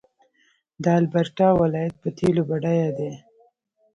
د البرټا ولایت په تیلو بډایه دی.